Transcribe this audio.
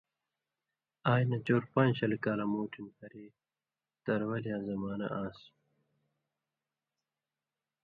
آژ نہ چور پان٘ژ شل کالہ موٹھ ہریۡ تروَلیاں زمانہ آن٘س،